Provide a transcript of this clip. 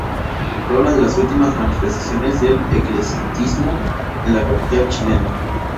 Fue una de las últimas manifestaciones del eclecticismo en la capital chilena.